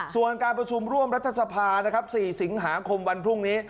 ส่วนการประชุมร่วมรัฐสภานะครับ๔สิงหาคมวันพรุ่งนี้